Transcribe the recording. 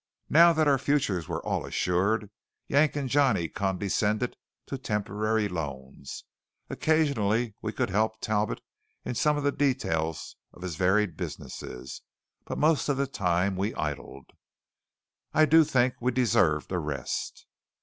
Now that our futures were all assured, Yank and Johnny condescended to temporary loans. Occasionally we could help Talbot in some of the details of his varied businesses, but most of the time we idled. I do think we deserved a rest.